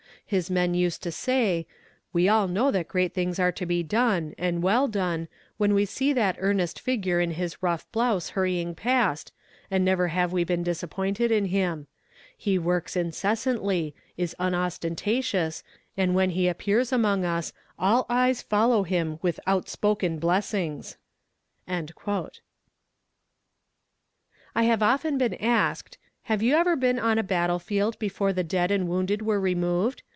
His men used to say: 'We all know that great things are to be done, and well done, when we see that earnest figure in its rough blouse hurrying past, and never have we been disappointed in him. He works incessantly, is unostentatious, and when he appears among us all eyes follow him with outspoken blessings.'" I have often been asked: "Have you ever been on a battle field before the dead and wounded were removed?"